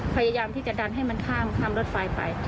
พยายามที่จะดันให้มันข้ามรถไฟไป